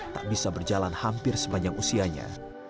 tak bisa berjalan hampir sepanjang usianya